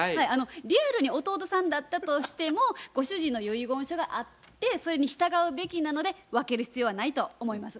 リアルに弟さんだったとしてもご主人の遺言書があってそれに従うべきなので分ける必要はないと思います。